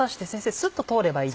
スッと通ればいいですか？